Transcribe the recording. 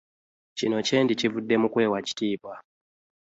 Kino kyendi kivude mu kweewa kitiibwa.